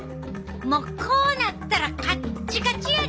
もうこうなったらカッチカチやで。